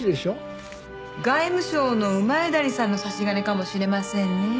外務省の谷さんの差し金かもしれませんねえ。